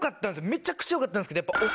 めちゃくちゃよかったんですけど。